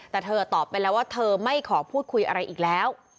แต่เธอตอบไปแล้วว่าเธอไม่ขอพูดคุยอะไรอีกแล้ว